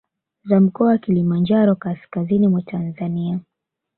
Za Mkoa wa Kilimanjaro Kaskazini mwa Tanzania